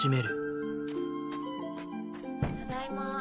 ただいま。